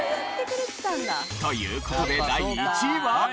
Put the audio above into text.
という事で第１位は。